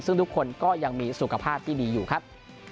ซึ่งทุกคนก็ยังมีสุขภาพที่ดีอยู่ครับ